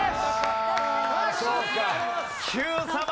Ｑさま！！